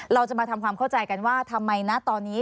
เราจะมาทำความเข้าใจกันว่าทำไมนะตอนนี้